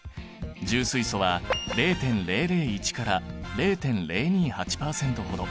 重水素は０．００１から０．０２８％ほど。